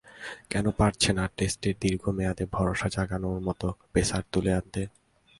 কেন পারছে না টেস্টের দীর্ঘ মেয়াদে ভরসা জাগানোর মতো পেসার তুলে আনতে?